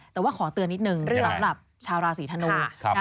แต่ว่าขอเตือนนิดนึงสำหรับชาวราศีธนู